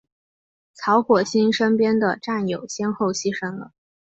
曹火星身边的战友先后牺牲了。